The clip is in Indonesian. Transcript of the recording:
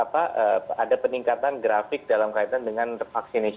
paint ireland agar silahkan juga pikir pikir aja